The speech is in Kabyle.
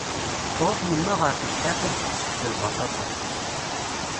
Tṛuḥ yemma ɣer tebḥirt ad d-tessekfel baṭaṭa.